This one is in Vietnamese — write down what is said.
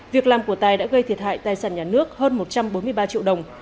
việc làm của tài đã gây thiệt hại tài sản nhà nước hơn một trăm bốn mươi ba triệu đồng